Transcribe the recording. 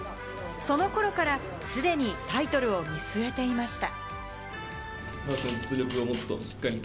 その頃から既にタイトルを見据えていました。